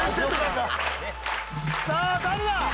さぁ誰だ？